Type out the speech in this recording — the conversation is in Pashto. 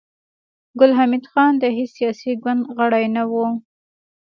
ګل حمید خان د هېڅ سياسي ګوند غړی نه و